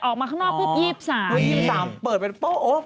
ออกมาข้างนอกพรึ่ง๒๓